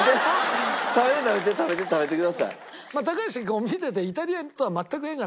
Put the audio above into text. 食べて食べて食べて食べてください。